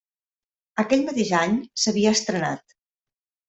Aquell mateix any s'havia estrenat.